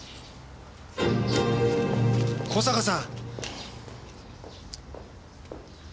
小坂さん！